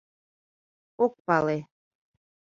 — Ок пале.